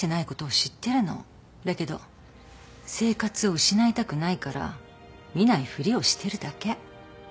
だけど生活を失いたくないから見ないふりをしてるだけ。